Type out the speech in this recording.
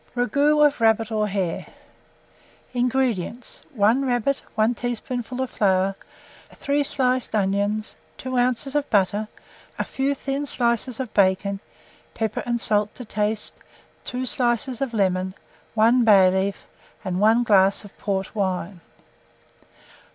RAGOUT OF RABBIT OR HARE. 982. INGREDIENTS. 1 rabbit, 3 teaspoonfuls of flour, 3 sliced onions, 2 oz. of butter, a few thin slices of bacon, pepper and salt to taste, 2 slices of lemon, 1 bay leaf, 1 glass of port wine.